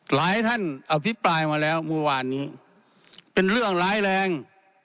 หลายท่านอภิปรายมาแล้วเมื่อวานนี้เป็นเรื่องร้ายแรง